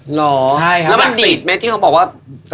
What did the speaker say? เหรอแล้วมันดีดเม็ดที่เขาบอกว่า